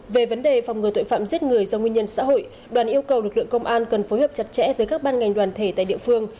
về vấn đề phòng ngừa tội phạm giết người do nguyên nhân xã hội đoàn yêu cầu lực lượng công an cần phối hợp chặt chẽ với các ban ngành đoàn thể tại địa phương